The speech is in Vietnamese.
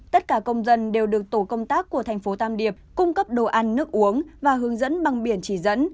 tất cả công dân đều được tổ công tác của thành phố tam điệp cung cấp đồ ăn nước uống và hướng dẫn bằng biển chỉ dẫn